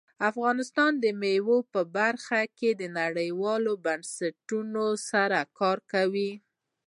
افغانستان د مېوو په برخه کې له نړیوالو بنسټونو سره کار کوي.